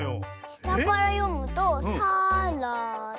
したからよむと「さ・ら・だ」！